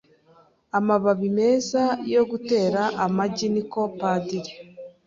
amababi meza yo gutera amagi niko padiri